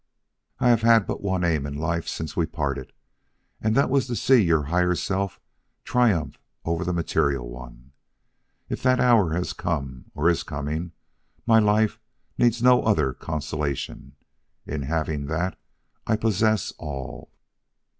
I have had but one aim in life since we parted, and that was to see your higher self triumph over the material one. If that hour has come or is coming, my life needs no other consolation. In having that, I possess all."